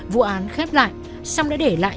vụ án khép lại xong đã để lại